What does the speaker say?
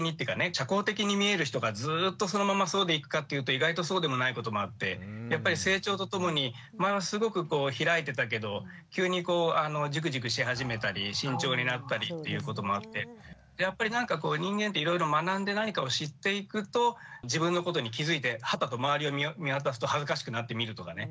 社交的に見える人がずっとそのままそうでいくかっていうと意外とそうでもないこともあってやっぱり成長とともに前はすごくこう開いてたけど急にこうジュクジュクし始めたり慎重になったりっていうこともあってやっぱりなんかこう人間っていろいろ学んで何かを知っていくと自分のことに気付いてはたと周りを見渡すと恥ずかしくなってみるとかね。